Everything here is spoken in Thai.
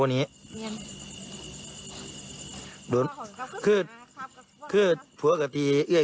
ไผ่ตีดูก็มอวผัวก็เอ่ยเนี่ย